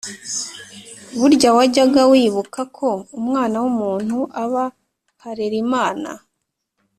burya wajyaga wibuka ko umwana w’umuntu aba harerimana?